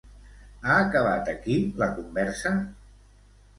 Ha acabat aquí la conversa?